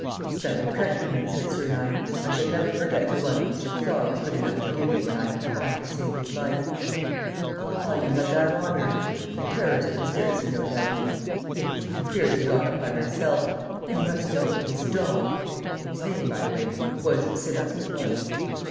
"A fellow countryman," said Sernine. "I shall never forget the one which the Tsar was good enough to give me when I had the honor to save his life." "Ah, you had that honor ... a terrorist conspiracy, no doubt?" "Yes, a conspiracy got up by myself. You must know, this dog its name, by the way, was Sebastopol. .